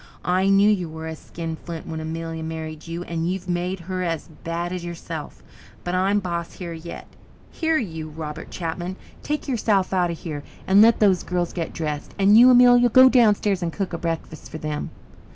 I knew you was a skinflint when Amelia married you and you've made her as bad as yourself. But I'm boss here yet. Here, you, Robert Chapman, take yourself out of here and let those girls get dressed. And you, Amelia, go downstairs and cook a breakfast for them."